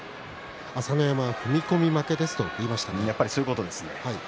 朝乃山は踏み込み負けですと言っていました。